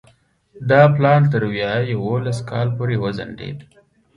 دا پلان تر ویا یوولس کال پورې وځنډېد.